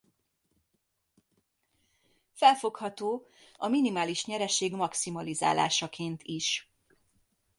Felfogható a minimális nyereség maximalizálásaként is.